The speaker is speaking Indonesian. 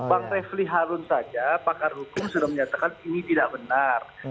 bang refli harun saja pakar hukum sudah menyatakan ini tidak benar